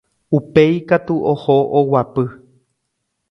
Upéi katu oho oguapy